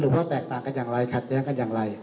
ว่าแตกต่างกันอย่างไรขัดแย้งกันอย่างไร